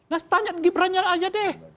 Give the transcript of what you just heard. nah tanya gibran nya aja deh